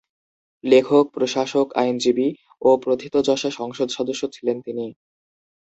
লেখক, প্রশাসক, আইনজীবী ও প্রথিতযশা সংসদ সদস্য ছিলেন তিনি।